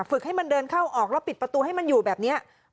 ให้มันเดินเข้าออกแล้วปิดประตูให้มันอยู่แบบนี้